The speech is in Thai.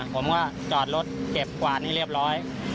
ผมก็จอดรถเก็บกวาดให้เรียบร้อย